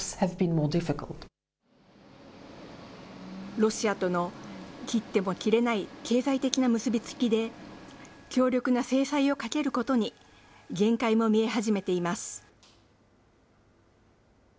ロシアとの切っても切れない経済的な結び付きで、強力な制裁をかけることに限界も見え始めています。